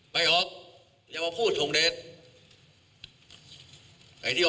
ไปออกอย่ามาพูดส่งเดชน์